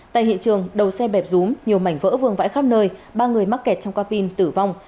tại hiện trường đầu xe bẹp rúm nhiều mảnh vỡ vương vãi khắp nơi ba người mắc kẹt trong capin tử vong